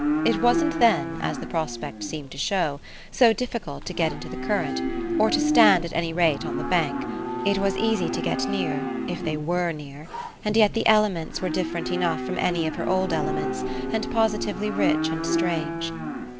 It wasn't then, as the prospect seemed to show, so difficult to get into the current, or to stand at any rate on the bank. It was easy to get near if they WERE near; and yet the elements were different enough from any of her old elements, and positively rich and strange.